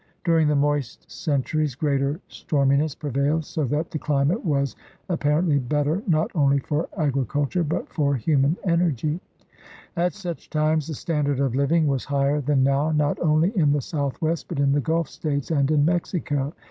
During the moist centuries greater stormi ness prevailed, so that the climate was appar ently better not only for agriculture but for human THE RED MAN IN AMERICA 171 energy. x\t such times the standard of hving was higher than now not only in the Southwest but in the Gulf States and in Mexico.